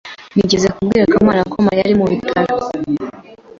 Nigeze kubwira Kamana ko Mariya ari mu bitaro.